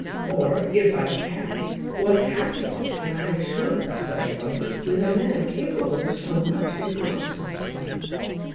Or, if I can, what happiness can I assure myself of with a man capable of so much inconstancy?"